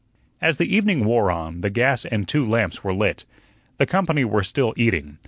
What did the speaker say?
As the evening wore on, the gas and two lamps were lit. The company were still eating.